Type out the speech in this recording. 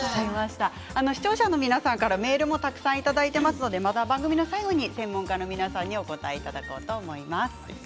皆さんからメールもたくさんいただいていますので番組の最後に専門家の皆さんにお答えしていただきます。